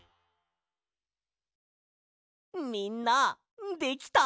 みんなできた？